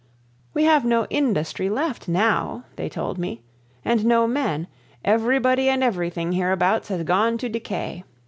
"We have no industry left now," they told me, "and no men; everybody and everything hereabouts has gone to decay.